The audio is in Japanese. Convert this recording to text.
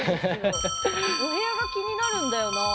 お部屋が気になるんだよなあ。